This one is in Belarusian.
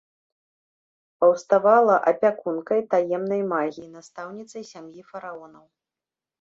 Паўставала апякункай таемнай магіі, настаўніцай сям'і фараонаў.